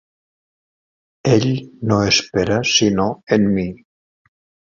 Ell no espera sinó en mi.